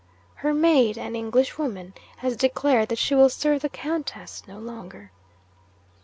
Her maid, an Englishwoman, has declared that she will serve the Countess no longer.